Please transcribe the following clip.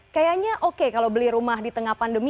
kayaknya oke kalau beli rumah di tengah pandemi